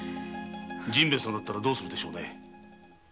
甚兵衛さんだったらどうするでしょうね。